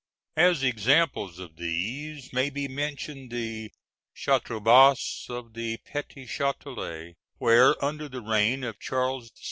As examples of these may be mentioned the Chartres basses of the Petit Châtelet, where, under the reign of Charles VI.